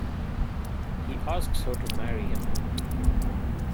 He asks her to marry him.